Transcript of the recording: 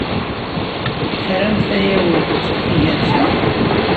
Tramt ayawurt igersen?